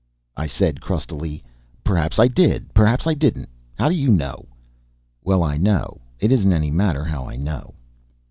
I said crustily: "Perhaps I did, perhaps I didn't. How do you know?" "Well, I know. It isn't any matter how I know."